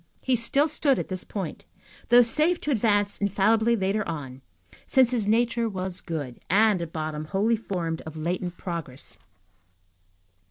He still stood at this point, though safe to advance infallibly later on, since his nature was good, and, at bottom, wholly formed of latent progress.